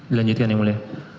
dilanjutkan ya mulai